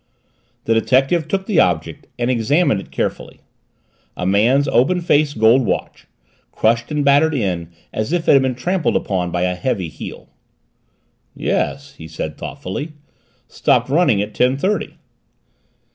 The detective took the object and examined it carefully. A man's open face gold watch, crushed and battered in as if it had been trampled upon by a heavy heel. "Yes," he said thoughtfully. "Stopped running at ten thirty."